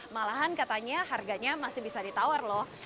malahan katanya harganya masih bisa ditawar loh